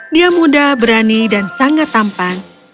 dia muda berani dan sangat tampan